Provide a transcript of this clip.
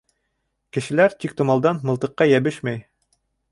— Кешеләр тиктомалдан мылтыҡҡа йәбешмәй.